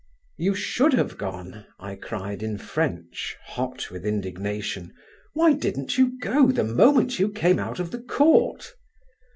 "You should have gone," I cried in French, hot with indignation; "why didn't you go, the moment you came out of the court?"